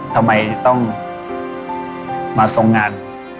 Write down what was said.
ทำไมต้องมาทรงงาน